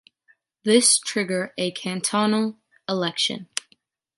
This trigger a cantonal election.